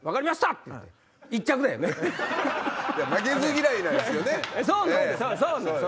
負けず嫌いなんすよね。